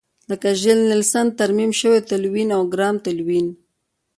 لکه د ژیل نیلسن ترمیم شوی تلوین او ګرام تلوین.